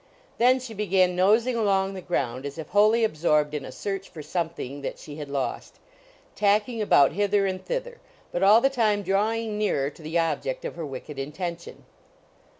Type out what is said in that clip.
Then she began nosing along the ground as if wholly absorbed in a search for something that she had lost, tacking about hither and thither, but all the time drawing nearer to the object of her wicked intention.